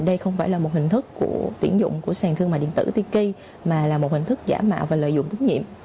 đây không phải là một hình thức của tuyển dụng của sàn thương mại điện tử tiki mà là một hình thức giả mạo và lợi dụng tín nhiệm